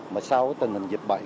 mà sau tình hình dịch xuất xuất huyết